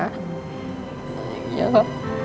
อย่างนี้ค่ะ